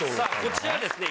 こちらですね